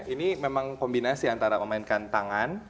ini memang kombinasi antara memainkan tangan